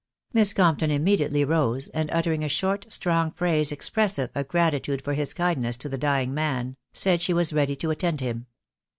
Miss Complon immediately rose, and uttering a *hoTt,' strong phrase expressive of gratitude ifbr his kkidness'to the dying man, : said she was ready to attend him.